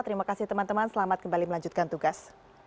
terima kasih teman teman selamat kembali melanjutkan tugas